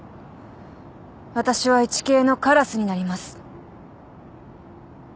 私はイチケイのカラスになります。